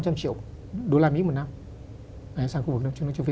năm trăm linh triệu đô la mỹ một năm sang khu vực trung đông châu phi